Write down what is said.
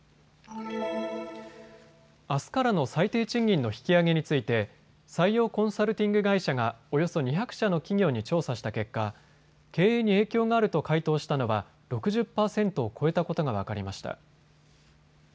あすからの最低賃金の引き上げについて採用コンサルティング会社が、およそ２００社の企業に調査した結果、経営に影響があると回答したのは６０％を超えたことが分かりました。